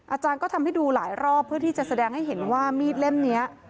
อาจารย์ก็ทำให้ดูหลายรอบเพื่อที่จะแสดงให้เห็นว่ามีดเล่มนี้